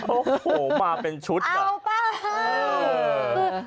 โอ้โหมาเป็นชุดอ่ะ